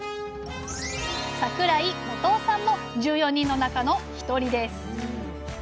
桜井元雄さんも１４人の中の１人です。